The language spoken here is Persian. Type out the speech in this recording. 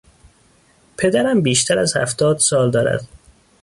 پدرم بیشتر از هفتاد سال دارد.